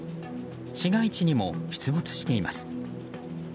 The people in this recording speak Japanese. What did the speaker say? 市街地にも出没しています。